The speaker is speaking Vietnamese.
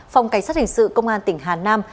phòng cảnh sát hình sự công an tỉnh hà nam